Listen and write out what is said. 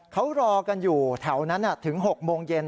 เขารอกันอยู่แถวนั้นถึง๖โมงเย็น